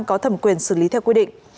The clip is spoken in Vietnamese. có thẩm quyền xử lý theo quy định